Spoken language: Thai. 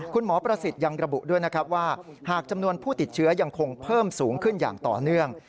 คุณหมอประสิทธิ์ยังระบุด้วยนะครับว่าหากจำนวนผู้ติดเชื้อยังคงเพิ่มสูงขึ้นอย่างต่อเนื่อง